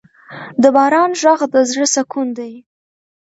د باران ږغ د زړه سکون دی.